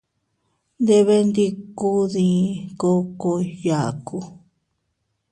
Nndebenndikun dii kookoy yaaku.